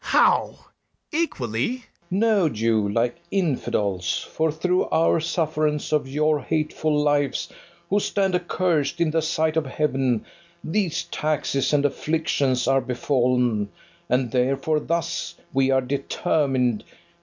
BARABAS. How! equally? FERNEZE. No, Jew, like infidels; For through our sufferance of your hateful lives, Who stand accursed in the sight of heaven, These taxes and afflictions are befall'n, And therefore thus we are determined.